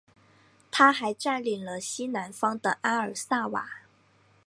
他还占领了西南方的阿尔萨瓦。